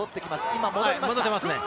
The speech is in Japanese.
今、戻りました。